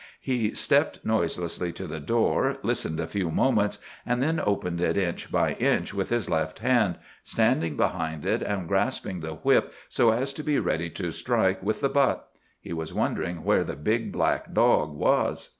He stepped noiselessly to the door, listened a few moments, and then opened it inch by inch with his left hand, standing behind it, and grasping the whip so as to be ready to strike with the butt. He was wondering where the big black dog was.